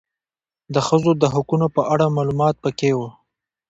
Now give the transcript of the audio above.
د ښځو د حقونو په اړه معلومات پکي و